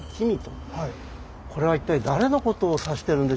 これは一体誰のことを指してるんでしょうか。